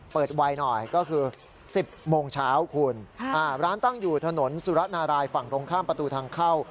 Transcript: ไวหน่อยก็คือ๑๐โมงเช้าคุณร้านตั้งอยู่ถนนสุรนารายฝั่งตรงข้ามประตูทางเข้า